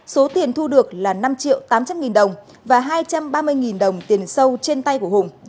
số tiền thu được là năm triệu tám trăm linh nghìn đồng và hai trăm ba mươi đồng tiền sâu trên tay của hùng